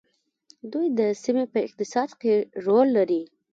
دوی د سیمې په اقتصاد کې رول لري.